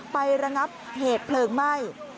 ระงับเหตุเพลิงไหม้